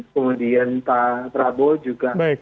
kemudian pak prabowo juga